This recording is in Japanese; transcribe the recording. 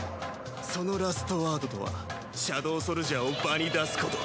そのラストワードとはシャドウソルジャーを場に出すこと。